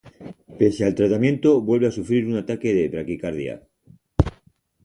Pese al tratamiento vuelve a sufrir un ataque de bradicardia.